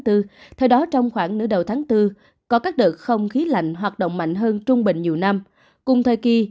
theo đó trong khoảng nửa đầu tháng bốn có các đợt không khí lạnh hoạt động mạnh hơn trung bình nhiều năm cùng thời kỳ